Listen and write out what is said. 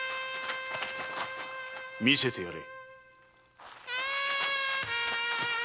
見せてやれ。